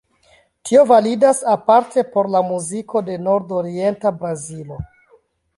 Tio validas aparte por la muziko de nordorienta Brazilo.